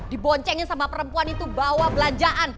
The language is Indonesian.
diboncengin sama perempuan itu bawa belanjaan